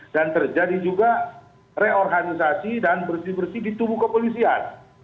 dan terjadi juga reorganisasi dan bersih bersih di tubuh kepolisian